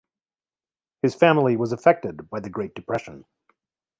His family was affected by the Great Depression.